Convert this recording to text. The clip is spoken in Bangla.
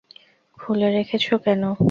খুলে রেখেছো কেন?